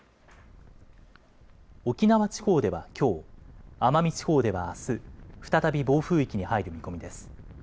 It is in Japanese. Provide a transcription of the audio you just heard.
沖縄地方ではきょう、奄美地方ではあす再び暴風域に入る見込みです。